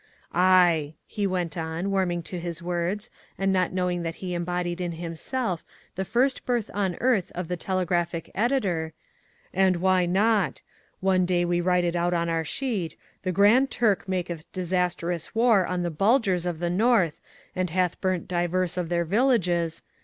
Aye," he went on, warming to his words and not knowing that he embodied in himself the first birth on earth of the telegraphic editor, "and why not. One day we write it out on our sheet 'The Grand Turk maketh disastrous war on the Bulgars of the North and hath burnt divers of their villages.'